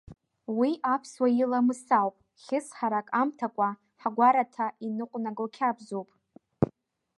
Уи аԥсуа иламыс ауп, хьысҳарак амҭакәа ҳгәараҭа иныҟәнаго қьабзуп…